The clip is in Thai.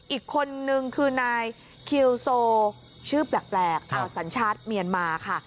อีกคนนึงคือนายคิวโซชื่อแปลกสัญชาติเมียนมาค่ะ